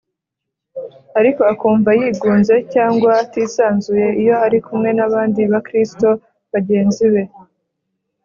ariko akumva yigunze cyangwa atisanzuye iyo ari kumwe n abandi Bakristo bagenzi be